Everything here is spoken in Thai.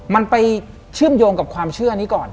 มันไปเชื่อมโยงกับความเชื่อนี้ก่อน